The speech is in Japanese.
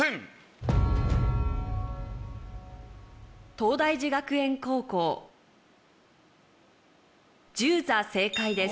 東大寺学園高校１０座正解です